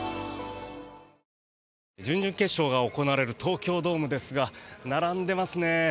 準々決勝が行われる東京ドームですが並んでますね。